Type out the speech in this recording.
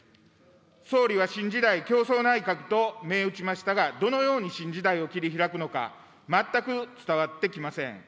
総理は、新時代共創内閣と銘打ちましたが、どのように新時代を切り開くのか、全く伝わってきません。